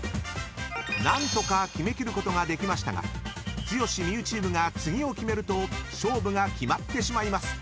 ［何とか決め切ることができましたが剛・望結チームが次を決めると勝負が決まってしまいます］